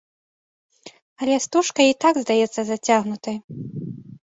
Але стужка й так здаецца зацягнутай.